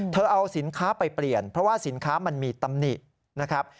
เอาสินค้าไปเปลี่ยนเพราะว่าสินค้ามันมีตำหนินะครับ